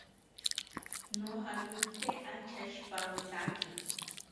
Nojawirite anchaishipawotake